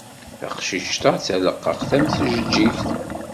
Taqcict-a d taleqqaqt am tjeǧǧigt.